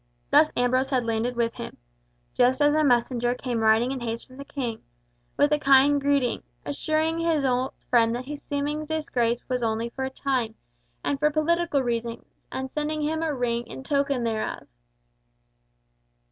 Thus Ambrose had landed with him, just as a messenger came riding in haste from the King, with a kind greeting, assuring his old friend that his seeming disgrace was only for a time, and for political reasons, and sending him a ring in token thereof.